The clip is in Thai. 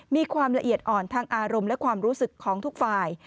มีความละเอียดอ่อนทางอารมณ์และความรู้สึกของทุกฝ่าย